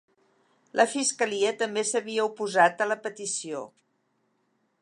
La fiscalia també s’havia oposat a la petició.